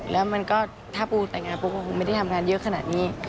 แล้วมันก็ถ้าปูแต่งงานปูปูคงไม่ได้ทำงานเยอะขนาดนี้